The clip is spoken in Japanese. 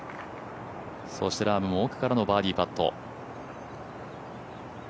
そしてラームも奥からのバーディーパット。